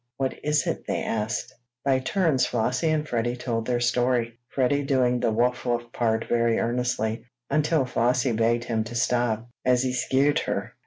"What is it?" they asked. By turns Flossie and Freddie told their story, Freddie doing the "Wuff! Wuff!" part very earnestly, until Flossie begged him to stop, as he "skeered" her.